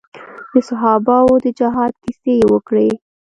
د صحابه وو د جهاد کيسې يې وکړې.